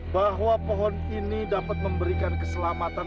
bahwa pohon ini dapat memberikan keselamatan